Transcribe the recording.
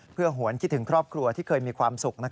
เพื่อหวนคิดถึงครอบครัวที่เคยมีความสุข